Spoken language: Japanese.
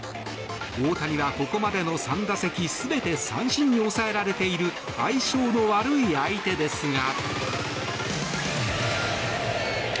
大谷はここまでの３打席全て三振に抑えられている相性の悪い相手ですが。